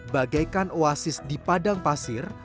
bagaikan oasis di padang pasir